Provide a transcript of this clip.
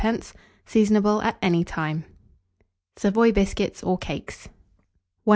Seasonable at any time. SAVOY BISCUITS OR CAKES. 1748.